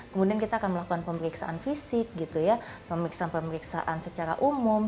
kemudian kita akan melakukan pemeriksaan fisik gitu ya pemeriksaan pemeriksaan secara umum